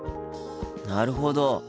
なるほど。